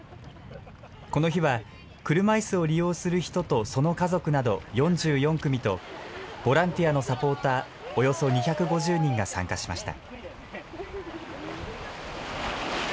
この日は、車いすを利用する人と、その家族など４４組と、ボランティアのサポーターおよそ２５０人が参加しました。